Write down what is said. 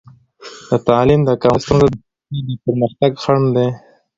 د تعلیم د کموالي ستونزه د ټولنې د پرمختګ خنډ دی.